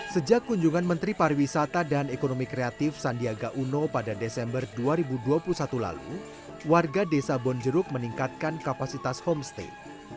sejak kunjungan menteri pariwisata dan ekonomi kreatif sandiaga uno pada desember dua ribu dua puluh satu lalu warga desa bonjeruk meningkatkan kapasitas homestay